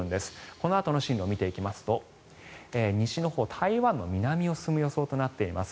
このあとの進路を見てみますと西のほう、台湾の南を進む予想となっています。